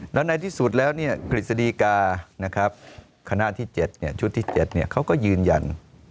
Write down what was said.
แล้วในที่สุดแล้วกฤษฎีกาคณะที่๗ชุดที่๗เขาก็ยืนยัน